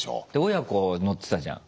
親子乗ってたじゃん。